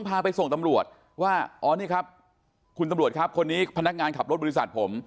พาไปส่งตำรวจว่าอ๋อนี่ครับคุณตำรวจครับคนนี้พนักงานขับรถบริษัทผม